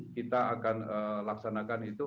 kita akan laksanakan itu